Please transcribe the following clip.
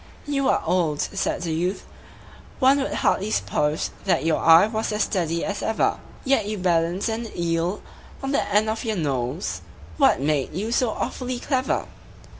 "You are old," said the youth, "one would hardly suppose That your eye was as steady as ever; Yet you balanced an eel on the end of your nose What made you so awfully clever?"